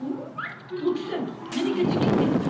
奥さん何か事件ですか？